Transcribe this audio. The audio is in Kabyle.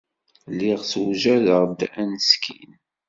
Lliɣ ssewjadeɣ-d aneskin.